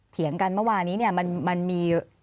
เถียงกันเมื่อวานี้เนี่ยมันมี